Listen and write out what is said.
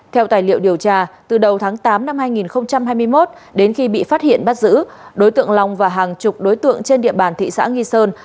theo tài liệu điều tra từ đầu tháng tám năm hai nghìn hai mươi một đến khi bị phát hiện bắt giữ đối tượng long và hàng chục đối tượng trên địa bàn thị xã nghi sơn